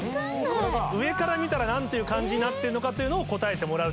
上から見たら何ていう漢字になっているのかというのを答えてもらうと。